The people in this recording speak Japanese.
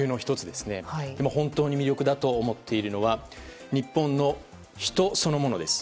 でも、本当に魅力だと思っているのは日本の、人そのものです。